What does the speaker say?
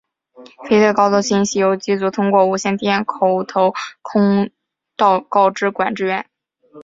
飞机的高度信息由机组通过无线电口头告知管制员。